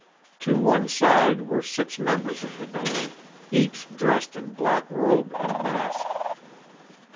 To one side were six members of the band, each dressed in black robe and mask.